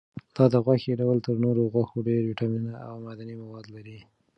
دا د غوښې ډول تر نورو غوښو ډېر ویټامینونه او معدني مواد لري.